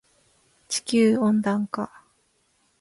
地球温暖化